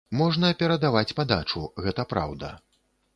Можна перадаваць падачу, гэта праўда.